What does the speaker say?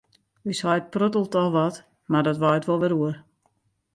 Us heit prottelet al wat, mar dat waait wol wer oer.